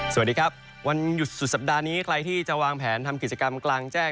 สวัสดีครับวันหยุดสุดสัปดาห์นี้ใครที่จะวางแผนทำกิจกรรมกลางแจ้ง